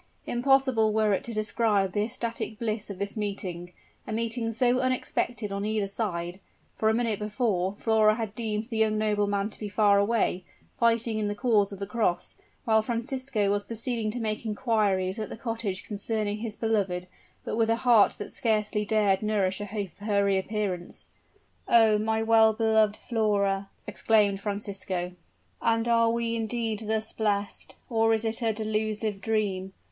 Impossible were it to describe the ecstatic bliss of this meeting a meeting so unexpected on either side: for a minute before, Flora had deemed the young nobleman to be far away, fighting in the cause of the cross, while Francisco was proceeding to make inquiries at the cottage concerning his beloved, but with a heart that scarcely dared nourish a hope of her reappearance. "Oh! my well beloved Flora!" exclaimed Francisco; "and are we indeed thus blest, or is it a delusive dream?